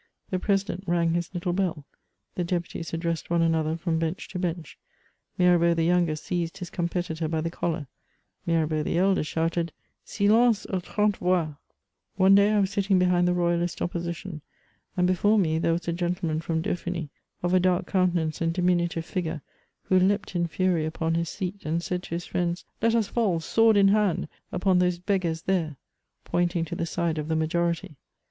The president rang his little bell ; the deputies addressed one another from bench to bench. Mirabeau the younger seized his competitor by the collar ; ^MBrabeau the elder shouted '* Silence aux trente voix /" One day I was sitting behind the royalist opposition, and before me there was a gentleman from Dauphiny, of a dark countenance and diminutive figure, who leaped in fury upon his seat, and said to his friends, '* Let us fall, sword in hand, upon those beggars there," pointing to the side of the mfuority.